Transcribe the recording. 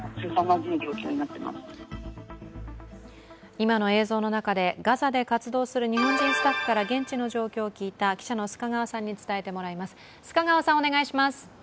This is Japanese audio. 今の映像の中でガザで活動する日本人スタッフから現地の状況を聞いた記者の須賀川さんに伝えてもらいます。